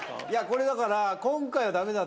いやこれだから。